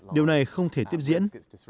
điều này không thể tiếp diễn